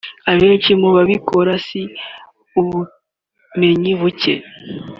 Abenshi mu babikora si ubumenyi buke